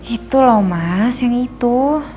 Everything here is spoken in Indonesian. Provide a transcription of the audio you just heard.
itu loh mas yang itu